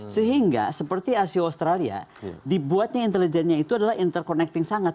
sehingga seperti asia australia dibuatnya intelijennya itu adalah interconnecting sangat